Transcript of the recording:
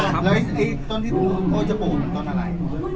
แล้วตอนที่โอ้ยจะโปรดตอนเมื่อไหร่